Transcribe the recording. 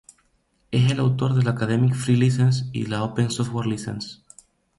Es autor de la Academic Free License y la Open Software License.